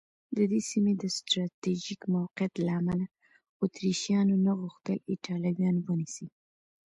د دې سیمې د سټراټېژیک موقعیت له امله اتریشیانو نه غوښتل ایټالویان ونیسي.